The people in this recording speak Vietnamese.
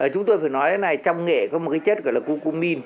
chúng tôi phải nói thế này trong nghệ có một cái chất gọi là cucumin